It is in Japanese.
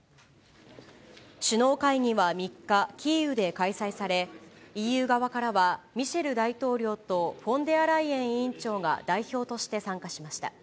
首脳会議は３日、キーウで開催され、ＥＵ側からはミシェル大統領とフォンデアライエン委員長が代表として参加しました。